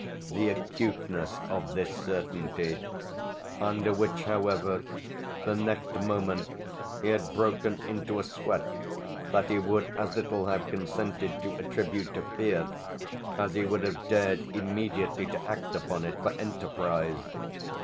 the acuteness of this certainty; under which however the next moment he had broken into a sweat that he would as little have consented to attribute to fear as he would have dared immediately to act upon it for enterprise.